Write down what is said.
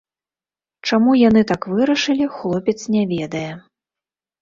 Чаму яны так вырашылі, хлопец не ведае.